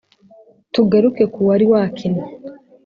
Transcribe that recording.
tugaruke kuri wari wakinnye